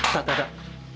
tak tak tak